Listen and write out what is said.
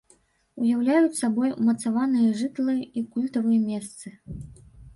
Уяўляюць сабой умацаваныя жытлы і культавыя месцы.